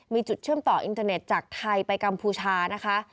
มีจุดเชื่อมต่ออินเทอร์เน็ตจากไทยไปกัมพูชานะคะ